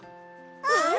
うん！